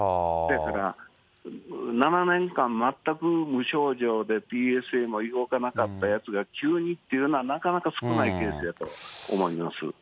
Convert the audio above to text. だから、７年間、全く無症状でＰＳＡも動かなかったやつが急にっていうのは、なかなか少ないケースやと思います。